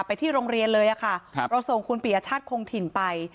ไปที่โรงเรียนเลยค่ะครับเราส่งคุณปียชาติคงถิ่นไป